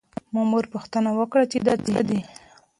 مامور پوښتنه وکړه چې دا څه دي؟